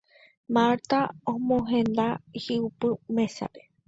Marta omohenda hi'upy mesápe